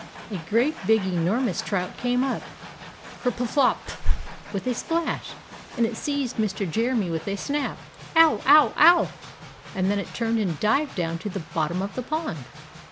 A great big enormous trout came up ker pflop p p p! with a splash and it seized Mr. Jeremy with a snap, "Ow! Ow! Ow!" and then it turned and dived down to the bottom of the pond!